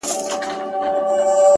o د ميني شر نه دى چي څـوك يـې پــټ كړي؛